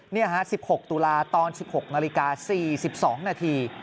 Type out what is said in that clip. นี่ฮะ๑๖ตุลาตอน๑๖นาฬิกา๔๒นาที